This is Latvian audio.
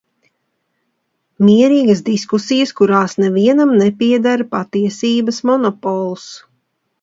Mierīgas diskusijas, kurās nevienam nepieder patiesības monopols.